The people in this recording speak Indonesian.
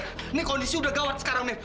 ini kondisi udah gawat sekarang nih